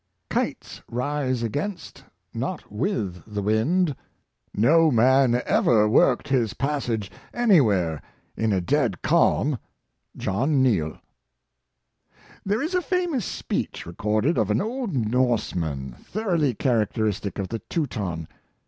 Kites rise against, not with the wind. No man ever worked his passage anywhere in a dead calm." — Jno. Neal. ^|HERE is a famous speech recorded of an old Norseman, thoroughly characteristic of the Teuton.